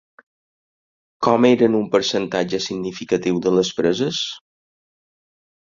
Com eren un percentatge significatiu de les preses?